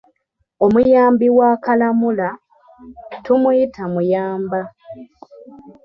Omuyambi wa kalamula, tumuyita muyamba.